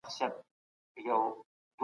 خوشحاله ټولنه د پوهي په مټ جوړېږي.